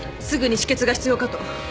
すぐに止血が必要かと。